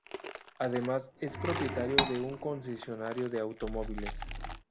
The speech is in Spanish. Además, es propietario de un concesionario de automóviles.